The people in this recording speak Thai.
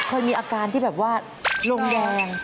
เคยมีอาการที่แบบว่าลงแดง